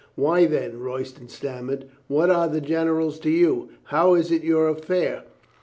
"Why, then?" Royston stammered. "What are the generals to you? How is it your affair?"